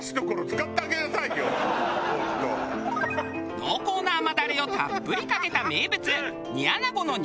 濃厚な甘ダレをたっぷりかけた名物。